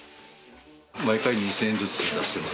毎回２０００円ずつ出してます。